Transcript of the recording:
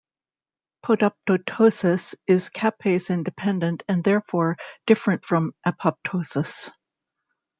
Podoptosis is caspase-independent and, therefore, different from apoptosis.